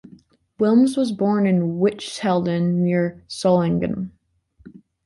Wilms was born in Witzhelden near Solingen.